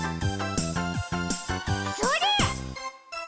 それ！